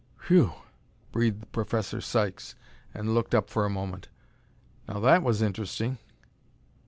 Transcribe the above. "Whew!" breathed Professor Sykes and looked up for a moment. "Now that was interesting."